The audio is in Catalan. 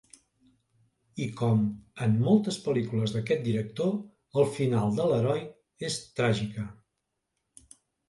I com en moltes pel·lícules d'aquest director, el final de l'heroi és tràgica.